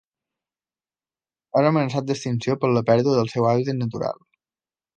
És amenaçat d'extinció per la pèrdua del seu hàbitat natural.